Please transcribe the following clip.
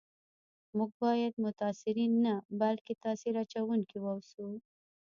موږ باید متاثرین نه بلکي تاثیر اچونکي و اوسو